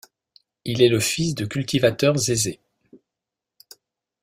Il est le fils de cultivateurs aisés.